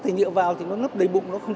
trên các phương tiện thông tin đại chúng